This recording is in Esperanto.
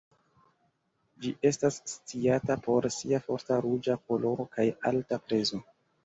Ĝi estas sciata por sia forta ruĝa koloro kaj alta prezo.